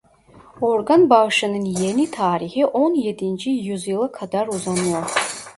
Organ bağışının yeni tarihi on yedinci yüzyıla kadar uzanıyor.